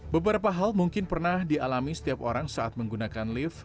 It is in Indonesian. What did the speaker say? beberapa hal mungkin pernah dialami setiap orang saat menggunakan lift